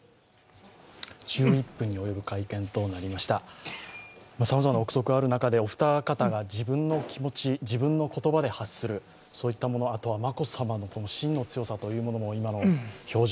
１１分に及ぶ会見となりましたさまざまな憶測がある中で、お二方が自分の気持ち、自分の言葉で発する、あとは眞子さまの芯の強さというものも、表情、